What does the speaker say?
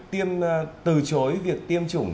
từ chối việc tiêm chủng